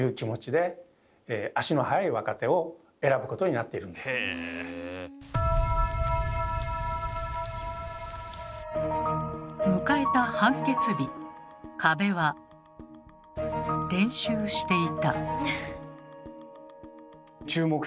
それでも迎えた判決日加部は練習していた。